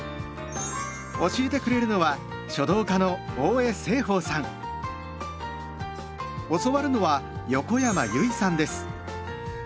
教えてくれるのは教わるのは横山由依さんです。